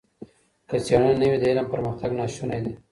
که څېړنه نه وي د علم پرمختګ ناشونی دی.